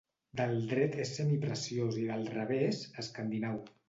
Del dret és semipreciós i del revés, escandinau.